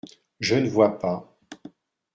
Je ne vois pas !…